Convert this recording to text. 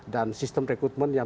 dan sistem rekrutmen yang